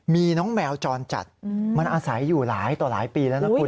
มีน้องแมวจรจัดมันอาศัยอยู่หลายต่อหลายปีแล้วนะคุณ